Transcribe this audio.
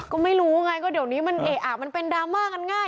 ก็ไม่รู้ไงเดี๋ยวนี้มันเป็นดราม่ากันง่าย